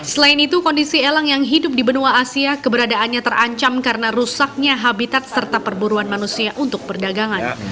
selain itu kondisi elang yang hidup di benua asia keberadaannya terancam karena rusaknya habitat serta perburuan manusia untuk perdagangan